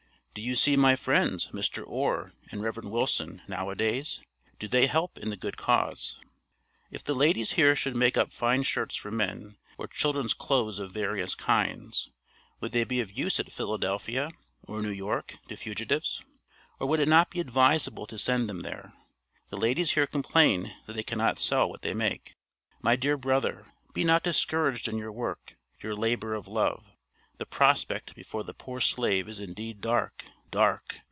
Do you see my friends, Mr. Orr and Rev. Willson, now a days? Do they help in the good cause? If the ladies here should make up fine shirts for men, or children's clothes of various kinds, would they be of use at Philadelphia, or New York, to fugitives? Or would it not be advisable to send them there? The ladies here complain that they cannot sell what they make. My dear brother, be not discouraged in your work, your labor of love. The prospect before the poor slave is indeed dark, dark!